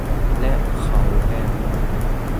และเขาแบมือ